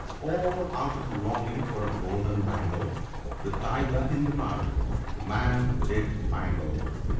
" All out of longing for a golden bangle ( la ), The Tiger, in the mud, the man did mangle."